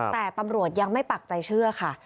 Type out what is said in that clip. แต่ตำรวจยังไม่ปักใจเชื่อค่ะ